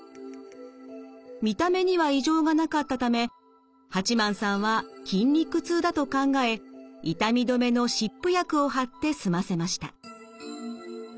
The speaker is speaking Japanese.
見た目には異常がなかったため八幡さんは筋肉痛だと考え痛み止めの湿布薬を貼って済ませました。